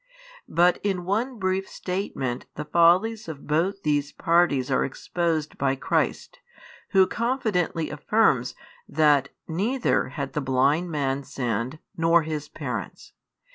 But in one brief statement the follies of both these parties are exposed by Christ, Who confidently affirms that neither had the blind man sinned nor his parents.